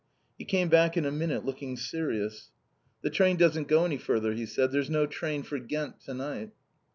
He came back in a minute looking serious. "The train doesn't go any further!" he said. "There's no train for Ghent to night."